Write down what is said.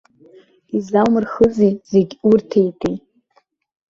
Излаумырхызеи, зегь урҭеитеи!